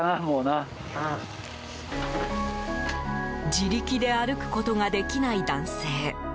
自力で歩くことができない男性。